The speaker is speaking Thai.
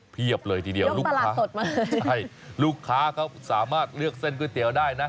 เพียบเลยทีเดียวลูกค้าสดมากใช่ลูกค้าเขาสามารถเลือกเส้นก๋วยเตี๋ยวได้นะ